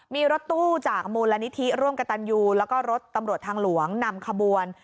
มีรถตู้จากมูลนิธิร่วมกับตันยูแล้วก็รถตำรวจทางหลวงนำขบวน